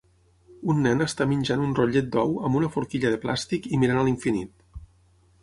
Un nen està menjant un rotllet d'ou amb una forquilla de plàstic i mirant a l'infinit.